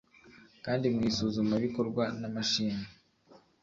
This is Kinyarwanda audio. kandi mu isuzumabikorwa n amashimwe